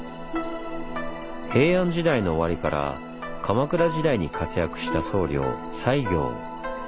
平安時代の終わりから鎌倉時代に活躍した僧侶西行。